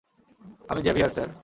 আমি Xavier, sir.